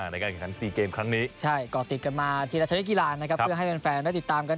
ในการแข่งขัน๔เกมครั้งนี้ใช่ก่อติดกันมาทีละชนิดกีฬานะครับเพื่อให้แฟนได้ติดตามกัน